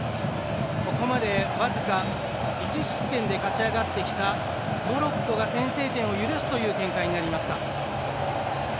ここまで僅か１失点で勝ち上がってきたモロッコが先制点を許すという展開になりました。